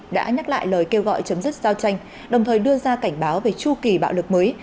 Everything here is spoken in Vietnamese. đã nhắc lại lời kêu gọi chấm dứt giao tranh đồng thời đưa ra cảnh báo về chu kỳ bạo lực mới